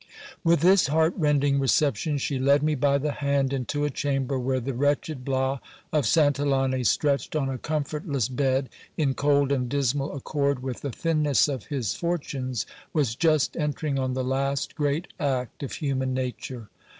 With this heart rending reception, she led me by the hand into a chamber where the wretched Bias of Santillane, stretched on a comfortless bed, in cold and dismal accord with the thinness of his for tunes, was just entering on the last great act of human nature.